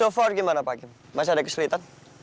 so far gimana pak masih ada kesulitan